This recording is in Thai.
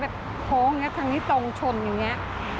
โค้งอย่างนี้ทางนี้ตรงชนอย่างนี้